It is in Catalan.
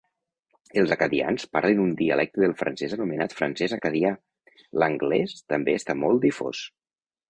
Els acadians parlen un dialecte del francès anomenat francès acadià; l'anglès també està molt difós.